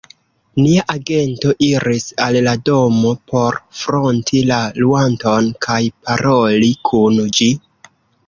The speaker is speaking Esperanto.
nia agento iris al la domo por fronti la luanton kaj paroli kun ĝi.